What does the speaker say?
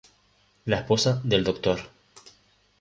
La esposa del Dr.